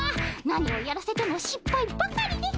何をやらせてもしっぱいばかりで。